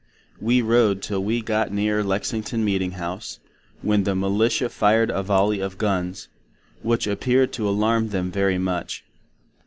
We rode till we got near Lexington Meeting house, when the Militia fired a Voley of Guns, which appeared to alarm them very much.